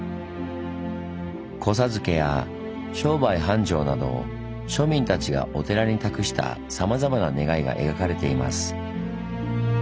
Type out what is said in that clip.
子授けや商売繁盛など庶民たちがお寺に託したさまざまな願いが描かれています。